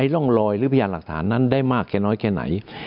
ร่องรอยหรือพยานหลักฐานนั้นได้มากแค่น้อยแค่ไหน